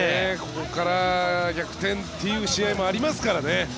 ここから逆転という試合もありますからね。